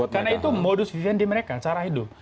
karena itu modus vivendi mereka cara hidup